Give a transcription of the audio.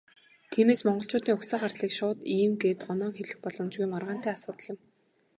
Тиймээс, монголчуудын угсаа гарлыг шууд "ийм" гээд оноон хэлэх боломжгүй, маргаантай асуудал юм.